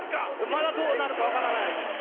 まだどうなるか分からないです。